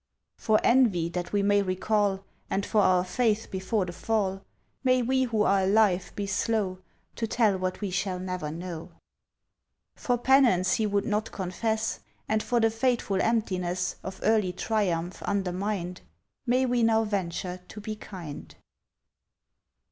For envy that we may recall, And for our faith before the fall. May we who are alive be slow To tell what we shall never know. For penance he would not confess. And for the fateful emptiness Of early triumph undermined, May we now venture to be kind.